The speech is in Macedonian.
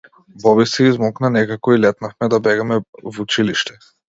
Боби се измолкна некако и летнавме да бегаме в училиште.